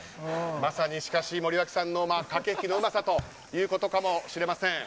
しかし森脇さんの駆け引きのうまさということかもしれません。